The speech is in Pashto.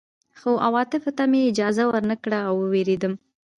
خو عواطفو ته مې اجازه ور نه کړه او ودېردم